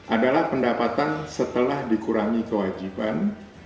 adalah pendapatan setelah dikurangi kewajiban